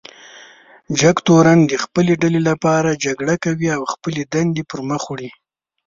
جګتورن د خپلې ډلې لپاره جګړه کوي او خپلې دندې پر مخ وړي.